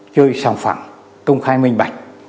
chơi sòng phẳng công khai minh bạch